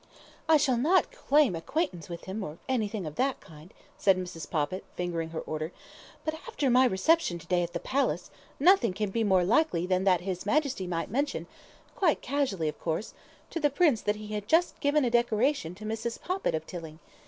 I shall not claim acquaintance with him, or anything or that kind," said Mrs. Poppit, fingering her Order; "but after my reception to day at the Palace, nothing can be more likely than that His Majesty might mention quite casually, of course to the Prince that he had just given a decoration to Mrs. Poppit of Tilling.